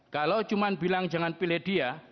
kalau cuma bilang jangan pilih dia